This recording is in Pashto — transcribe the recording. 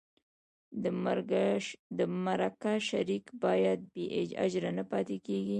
د مرکه شریک باید بې اجره نه پاتې کېږي.